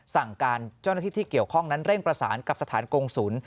สั่งการเจ้าหน้าที่ที่เกี่ยวข้องนั้นเร่งประสานกับสถานกงศูนย์